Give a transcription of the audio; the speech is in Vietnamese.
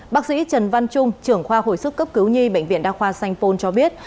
bác sĩ trần văn trung trưởng khoa hồi sức cấp cứu nhi bệnh viện đa khoa sanh pôn cho biết